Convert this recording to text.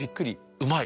うまい。